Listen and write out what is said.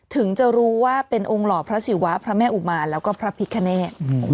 ถึงจะรู้ว่าเป็นองค์หล่อพระศิวะพระแม่อุมารแล้วก็พระพิคเนต